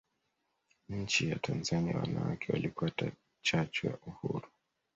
nchi ya Tanzania wanawake walikuwa chachu ya uhuru